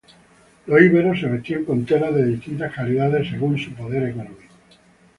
Los iberos se vestían con telas de distintas calidades, según su poder económico.